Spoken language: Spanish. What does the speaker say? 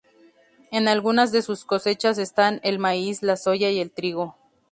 En algunas de sus cosechas están, el maíz, la soja y el trigo.